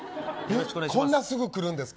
こんなすぐ来るんですか。